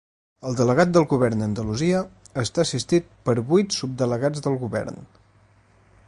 El delegat del Govern a Andalusia està assistit per vuit subdelegats del Govern.